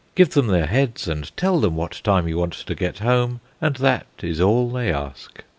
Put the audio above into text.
Give them their heads, and tell them what time you want to get home, and that is all they ask.